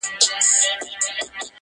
زمانې داسي مېړونه لږ لیدلي -